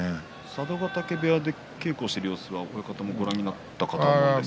佐渡ヶ嶽部屋で稽古している様子は親方もご覧になったかと思います。